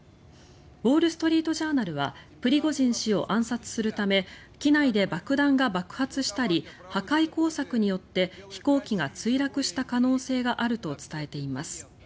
ウォール・ストリート・ジャーナルはプリゴジン氏を暗殺するため機内で爆弾が爆発したり破壊工作によって飛行機が墜落した可能性があると伝えています。